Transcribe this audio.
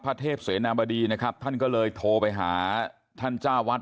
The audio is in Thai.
เทพเสนาบดีนะครับท่านก็เลยโทรไปหาท่านเจ้าวัด